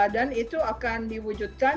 dan itu akan diwujudkan